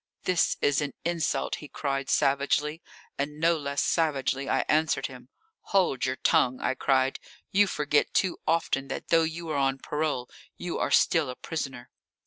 "This is an insult," he cried savagely, and no less savagely I answered him. "Hold your tongue!" I cried. "You forget too often that though you are on parole you are still a prisoner."